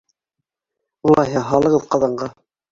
Улайһа, һалығыҙ ҡаҙанға.